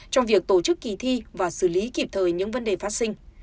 trong việc tổ chức kỳ thi và xử lý kịp thời những vấn đề phát sinh